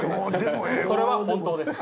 それは本当です。